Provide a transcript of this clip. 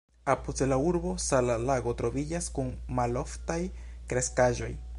Apud la urbo sala lago troviĝas kun maloftaj kreskaĵoj.